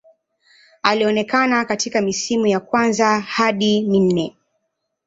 Alionekana katika misimu ya kwanza hadi minne.